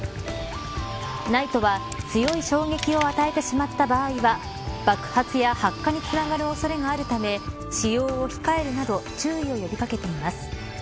ＮＩＴＥは強い衝撃を与えてしまった場合は爆発や発火につながる恐れがあるため使用を控えるなど注意を呼び掛けています。